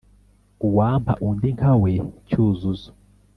uwampa undi nkawe cyuzuzo